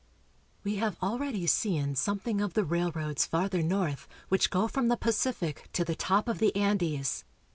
WE have already seen something of the railroads farther north which go from the Pacific to the top of the Andes.